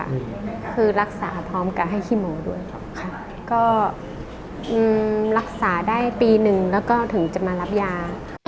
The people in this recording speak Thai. คือรักษาพร้อมกับให้ขี้หมูด้วยครับค่ะก็รักษาได้ปีหนึ่งแล้วก็ถึงจะมารับยา